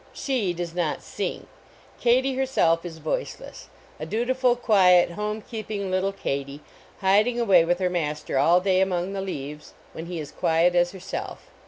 "She" does not sing. Katy, herself, is voiceless. A dutiful, quiet, homckecping lit tle Katy, hiding away with her master all day among the leaves, when he is quiet as herself.